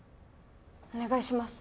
お願いします。